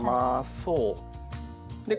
そう。